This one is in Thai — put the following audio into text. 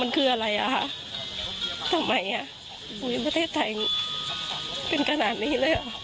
มันใช่หรอครับหลับไม่ได้